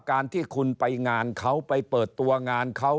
การที่คุณไปงานเขาไปเปิดตัวงานเขา